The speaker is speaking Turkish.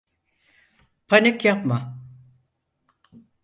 Panik yapma.